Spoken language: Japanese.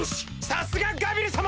さすがガビル様！